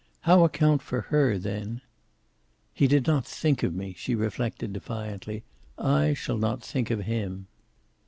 How account for her, then? "He did not think of me," she reflected defiantly, "I shall not think of him."